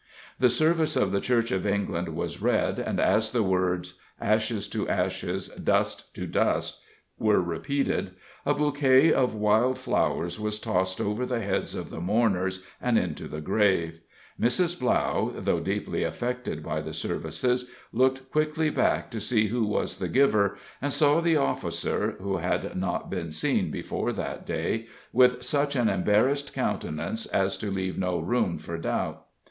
The service of the Church of England was read, and as the words, "Ashes to ashes; dust to dust," were repeated, a bouquet of wild flowers was tossed over the heads of the mourners and into the grave. Mrs. Blough, though deeply affected by the services, looked quickly back to see who was the giver, and saw the officer (who had not been seen before that day) with such an embarrassed countenance as to leave no room for doubt.